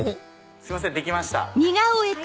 すいませんできました。